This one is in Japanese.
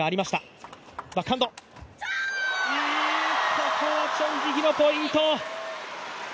ここはチョン・ジヒのポイント。